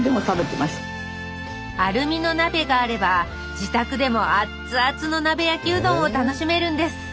アルミの鍋があれば自宅でもアッツアツの鍋焼きうどんを楽しめるんです。